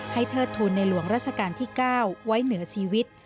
เทิดทุนในหลวงราชการที่๙ไว้เหนือชีวิต